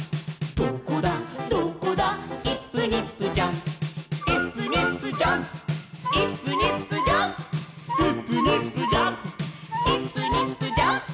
「どこだどこだイップニップジャンプ」「イップニップジャンプイップニップジャンプ」「イップニップジャンプイップニップジャンプ」